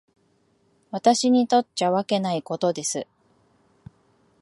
私にとっちゃわけないことです。